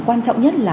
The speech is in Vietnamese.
quan trọng nhất là